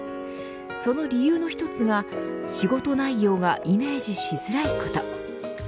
その理由の一つが仕事内容がイメージしづらいこと。